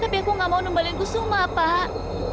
tapi aku nggak mau numbalin kusuma pak